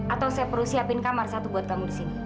atau saya perlu siapin kamar satu buat kamu di sini